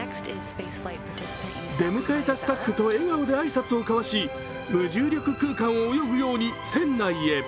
出迎えたスタッフと笑顔で挨拶し、無重力空間を泳ぐように船内へ。